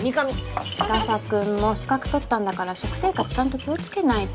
司くんも資格取ったんだから食生活ちゃんと気をつけないと。